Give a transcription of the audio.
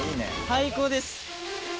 最高です。